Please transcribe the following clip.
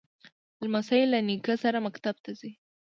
لمسی له نیکه سره مکتب ته ځي.